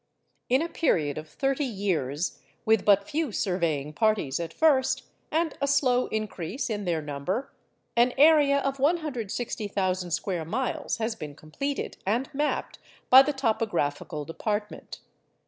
In a period of thirty years, with but few surveying parties at first, and a slow increase in their number, an area of 160,000 square miles has been completed and mapped by the topographical department.